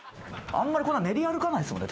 あんまりこんな練り歩かないですもんね